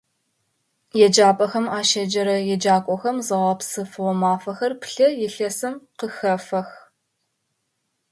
Еджапӏэхэм ащеджэрэ еджакӏохэм зыгъэпсэфыгъо мафэхэр плӏэ илъэсым къыхэфэх.